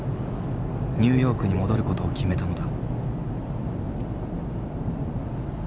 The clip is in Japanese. ニューヨークに戻ることを決めたのだ。